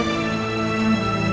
rasanya suatu kotor